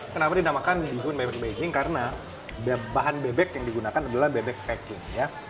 kenapa dinamakan bihun bebek beijing karena bahan bebek yang digunakan adalah bebek packing ya